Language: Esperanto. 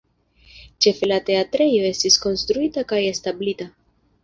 Ĉefe la teatrejo estis konstruita kaj establita.